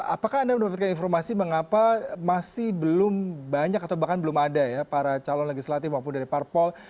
apakah anda mendapatkan informasi mengapa masih belum banyak atau bahkan belum ada ya para calon legislatif maupun dari parpol